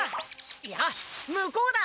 いや向こうだ！